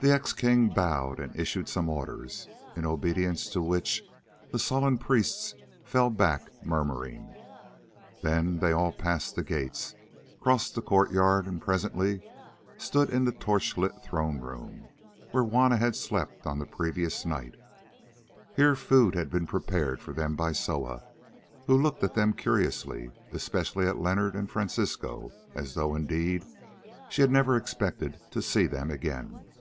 The ex king bowed and issued some orders, in obedience to which the sullen priests fell back murmuring. Then they all passed the gates, crossed the courtyard, and presently stood in the torch lit throne room, where Juanna had slept on the previous night. Here food had been prepared for them by Soa, who looked at them curiously, especially at Leonard and Francisco, as though, indeed, she had never expected to see them again.